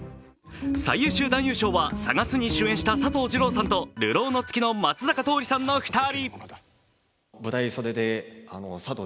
最優秀男優賞は「さがす」に主演した佐藤二朗さんと「流浪の月」の松坂桃李さんの２人。